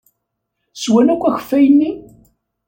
Swan akk akeffay-nni?